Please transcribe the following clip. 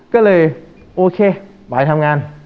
ก็เลยโอเคบ่ายทำงาน